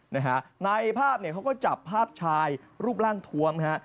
นะฮะในภาพเนี่ยเขาก็จับภาพชายรูปร่างทวมฮะ